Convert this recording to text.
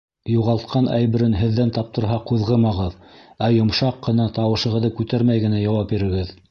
Юғалтҡан әйберен һеҙҙән таптырһа, ҡуҙғымағыҙ, ә йомшаҡ ҡына, тауышығыҙҙы күтәрмәй генә яуап бирегеҙ.